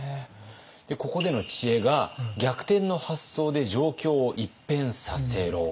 ここでの知恵が「逆転の発想で状況を一変させろ！」。